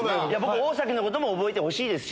大崎のことも覚えてほしいですし。